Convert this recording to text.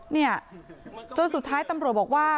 เนี่ยจนสุดท้ายตำรวจบอกว่า